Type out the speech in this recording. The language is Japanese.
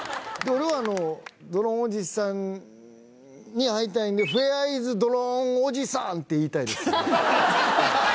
「俺はドローンおじさんに会いたいんでホエアイズドローンおじさん！って言いたいですね」